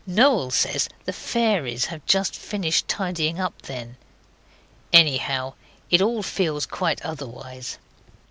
Noel says the fairies have just finished tidying up then. Anyhow it all feels quite otherwise.